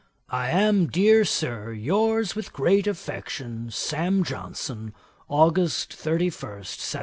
'I am, dear Sir, 'Yours with great affection, 'SAM JOHNSON.' 'August 31, 1772.'